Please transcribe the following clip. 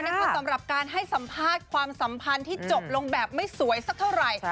สำหรับการให้สัมภาษณ์ความสัมพันธ์ที่จบลงแบบไม่สวยสักเท่าไหร่